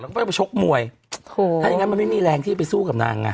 แล้วก็ไปชกมวยถ้าอย่างงั้นมันไม่มีแรงที่ไปสู้กับนางอ่ะ